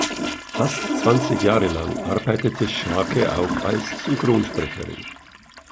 Fast zwanzig Jahre lang arbeitete Schaake auch als Synchronsprecherin.